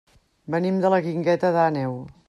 Venim de la Guingueta d'Àneu.